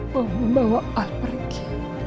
membawa al pergi